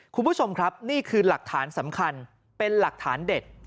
คุณผู้ชมครับนี่คือหลักฐานสำคัญเป็นหลักฐานเด็ด